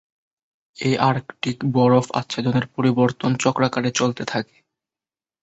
এই আর্কটিক বরফ আচ্ছাদনের পরিবর্তন চক্রাকারে চলতে থাকে।